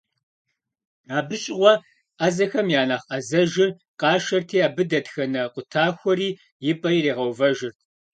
Абы щыгъуэ ӏэзэхэм я нэхъ ӏэзэжыр къашэрти, абы дэтхэнэ къутахуэри и пӏэ иригъэувэжырт.